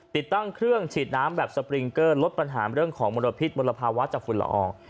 ติดตั้งเครื่องฉีดน้ำแบบสปริงเกอร์ลดปัญหาเรื่องของมลพิษมลภาวะจากฝุ่นละออง